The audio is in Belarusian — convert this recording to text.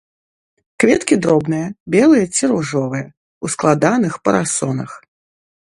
Кветкі дробныя, белыя ці ружовыя, у складаных парасонах.